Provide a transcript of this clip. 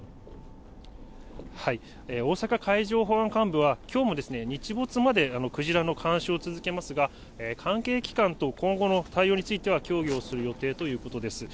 大阪海上保安監部はきょうも日没までクジラの監視を続けますが、関係機関と今後の対応については協議をする予定ということです。